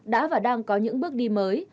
đã và đang có những bước đi mới